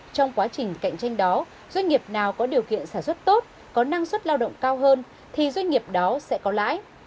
trong quá trình cạnh tranh đó doanh nghiệp nào có điều kiện sản xuất tốt có năng suất lao động cao hơn thì doanh nghiệp đó sẽ có lãi